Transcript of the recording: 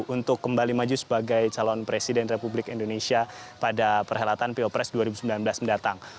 untuk kembali maju sebagai calon presiden republik indonesia pada perhelatan pilpres dua ribu sembilan belas mendatang